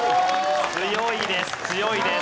強いです強いです。